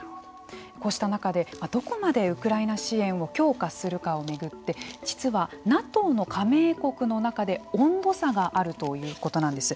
こうした中でどこまでウクライナ支援を強化するかを巡って実は、ＮＡＴＯの加盟国の中で温度差があるということなんです。